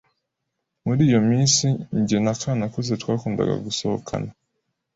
Muri iyo minsi, jye na Kanakuze twakundaga gusohokana.